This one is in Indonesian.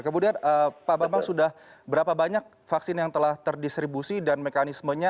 kemudian pak bambang sudah berapa banyak vaksin yang telah terdistribusi dan mekanismenya